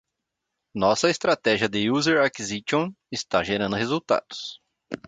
Nossa estratégia de user acquisition está gerando resultados.